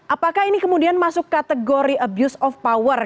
apakah ini kemudian masuk kategori abuse of power